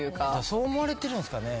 そう思われてるんすかね。